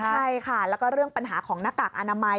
ใช่ค่ะแล้วก็เรื่องปัญหาของหน้ากากอนามัย